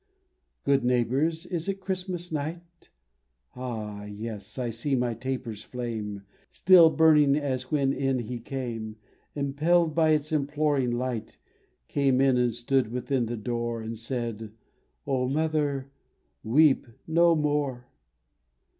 Good neighbours, is it Christmas night ? Ah, yes, I see my taper's flame Still burning as when in He came Impelled by its imploring light, Came in and stood within the door, And said, " O mother, weep no more